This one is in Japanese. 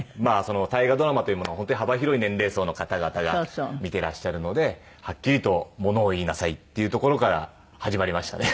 大河ドラマというものは本当に幅広い年齢層の方々が見ていらっしゃるのではっきりとものを言いなさいっていうところから始まりましたね。